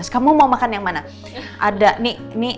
kamu mau makan yang mana ada nih